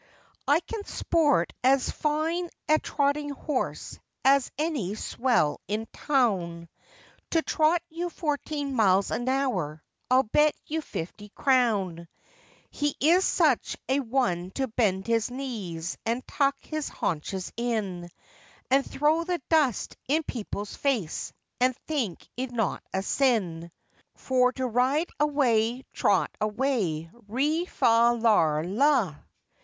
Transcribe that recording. ] I CAN sport as fine a trotting horse as any swell in town, To trot you fourteen miles an hour, I'll bet you fifty crown; He is such a one to bend his knees, and tuck his haunches in, And throw the dust in people's face, and think it not a sin. For to ride away, trot away, Ri, fa lar, la, &c.